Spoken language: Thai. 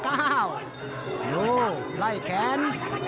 โอ้โหไล่แขน